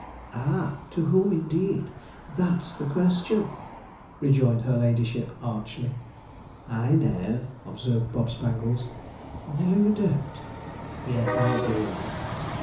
'Ah, to whom indeed! That's the question,' rejoined her ladyship archly. 'I know,' observed Bob Spangles. 'No, you don't.' 'Yes, I do.'